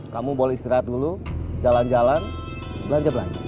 kamu boleh istirahat dulu jalan jalan belanja belanja